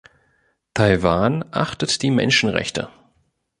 Taiwan achtet die Menschenrechte.